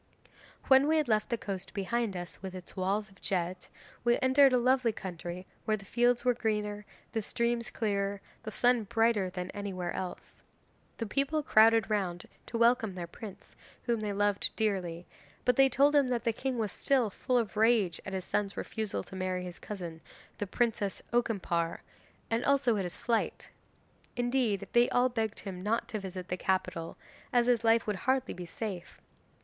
'When we had left the coast behind us, with its walls of jet, we entered a lovely country where the fields were greener, the streams clearer, and the sun brighter than anywhere else. The people crowded round to welcome their prince, whom they loved dearly, but they told him that the king was still full of rage at his son's refusal to marry his cousin the Princess Okimpare, and also at his flight. Indeed, they all begged him not to visit the capital, as his life would hardly be safe.